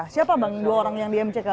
siapa bang dua orang yang di mck